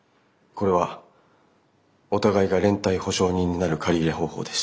これはお互いが連帯保証人になる借り入れ方法です。